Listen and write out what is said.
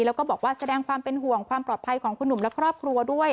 แล้วก็บอกว่าแสดงความเป็นห่วงความปลอดภัยของคุณหนุ่มและครอบครัวด้วย